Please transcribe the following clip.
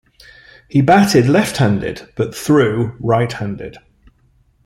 He batted left-handed but threw right-handed.